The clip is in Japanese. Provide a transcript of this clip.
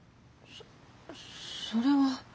そそれは。